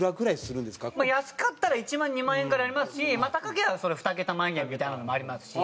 安かったら１万２万円からありますし高けりゃそりゃふた桁万円みたいなのもありますし。